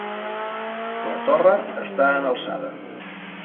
La torre està en alçada.